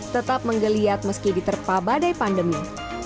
tetap menggeliat meski diterpah badai pandemi